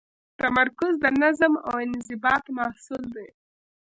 تمرکز د نظم او انضباط محصول دی.